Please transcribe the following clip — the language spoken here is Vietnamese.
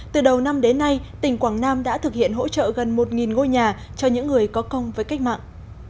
từ đầu năm đến nay tỉnh quảng nam đã thực hiện hỗ trợ gần một ngôi nhà cho những người có công với cách mạng